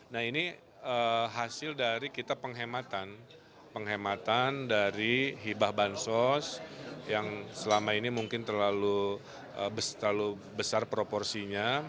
nah ini hasil dari kita penghematan dari hibah bansos yang selama ini mungkin terlalu besar proporsinya